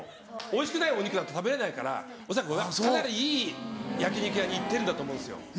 おいしくないお肉だと食べれないからかなりいい焼き肉屋に行ってるんだと思うんですよ。